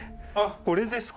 これですか？